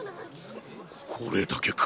これだけか？